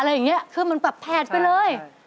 อะไรอย่างนี้คือมันแผดไปเลย